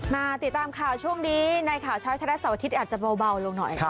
มาติดตามข่าวช่วงดีในข่าวชาวชาติและสวทิศอาจจะเบาลงหน่อย